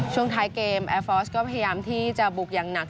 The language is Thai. ช่วงท้ายเกมแอร์ฟอร์สก็พยายามที่จะบุกอย่างหนัก